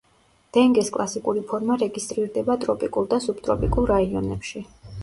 დენგეს კლასიკური ფორმა რეგისტრირდება ტროპიკულ და სუბტროპიკულ რაიონებში.